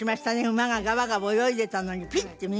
馬がガバガバ泳いでたのにピッて耳